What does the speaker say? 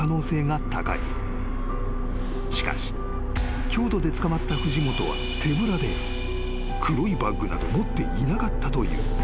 ［しかし京都で捕まった藤本は手ぶらで黒いバッグなど持っていなかったという］